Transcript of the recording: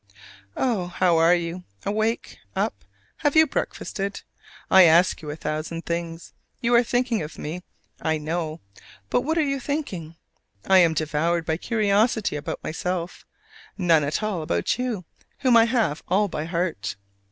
Oh, how are you? Awake? Up? Have you breakfasted? I ask you a thousand things. You are thinking of me, I know: but what are you thinking? I am devoured by curiosity about myself none at all about you, whom I have all by heart!